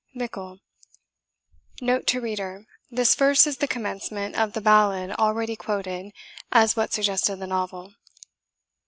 MICKLE. [This verse is the commencement of the ballad already quoted, as what suggested the novel.